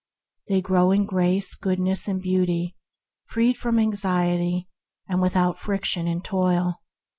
They grow in grace, goodness, and beauty, freed from anxiety, and without friction and toil.